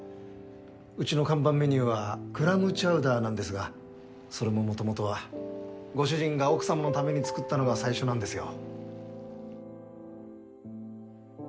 うちの看板メニューはクラムチャウダーなんですがそれも元々はご主人が奥様のために作ったのが最初なんですよ。